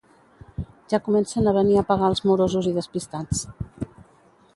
Ja comencen a venir a pagar els morosos i despistats